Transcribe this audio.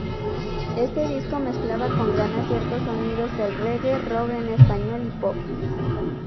Este disco mezclaba con gran acierto sonidos del reggae, rock en español y pop.